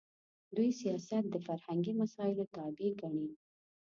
دوی سیاست د فرهنګي مسایلو تابع ګڼي.